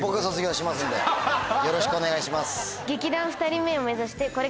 よろしくお願いします。